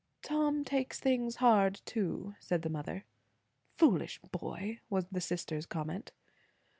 "Tom takes things hard, too," said the mother. "Foolish boy!" was the sister's comment.